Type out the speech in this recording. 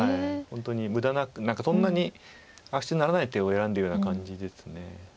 本当に無駄なく何かそんなに悪手にならない手を選んでるような感じです。